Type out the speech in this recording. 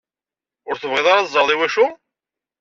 Ur tebɣiḍ ara ad teẓreḍ iwacu?